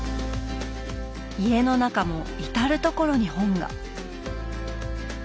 家の中も至る所に本が。